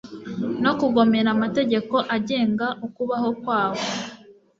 no kugomera amategeko agenga ukubaho kwabo